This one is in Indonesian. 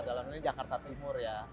dalam ini jakarta timur ya